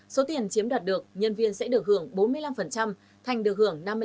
số tiền chiếm đoạt được nhân viên sẽ được hưởng bốn mươi năm thành được hưởng năm mươi năm